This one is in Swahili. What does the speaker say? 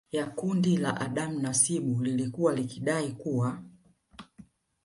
ya kundi la Adam Nasibu lililokuwa likidai kuwa